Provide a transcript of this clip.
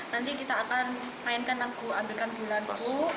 nanti kita akan mainkan lagu ambilkan bulan ku